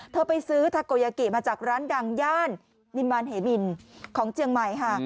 ไปซื้อทาโกยากิมาจากร้านดังย่านนิมมารเหมินของเจียงใหม่ค่ะ